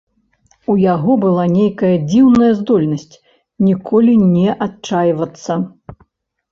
У яго была нейкая дзіўная здольнасць ніколі не адчайвацца.